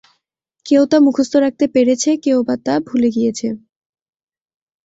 কেউ তা মুখস্থ রাখতে পেরেছে, কেউ বা তা ভুলে গিয়েছে।